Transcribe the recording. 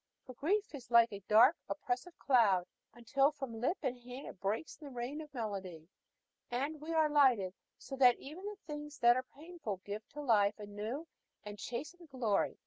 For grief is like a dark, oppressive cloud, until from lip and hand it breaks in the rain of melody, and we are lightened, so that even the things that are painful give to life a new and chastened glory.